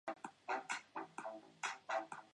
厄尔伯。